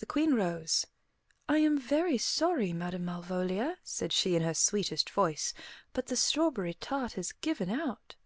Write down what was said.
The Queen rose. "I am very sorry, Madam Malvolia," said she in her sweetest voice, "but the strawberry tart has given out."